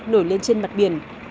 nổi lên trên mặt biển